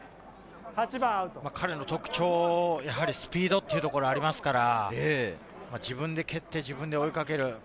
彼の特徴、やはりスピードというところがありますから自分で蹴って自分で追いかける。